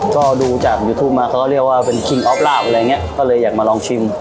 ก็ดูจากยูทูปมาเขาก็เรียกว่าเป็นคิงออฟลาบอะไรอย่างเงี้ยก็เลยอยากมาลองชิม